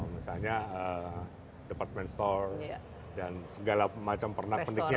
misalnya department store dan segala macam pernak perniknya